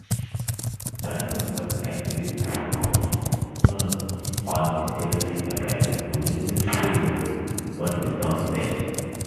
Band members agreed to honour all charity appearances during this period, but without pay.